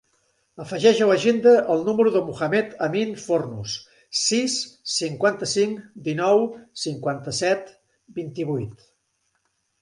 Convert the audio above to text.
Afegeix a l'agenda el número del Mohamed amin Fornos: sis, cinquanta-cinc, dinou, cinquanta-set, vint-i-vuit.